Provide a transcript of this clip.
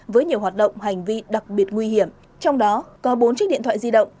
với nhiều hoạt động hành vi đặc biệt nguy hiểm trong đó có bốn chiếc điện thoại di động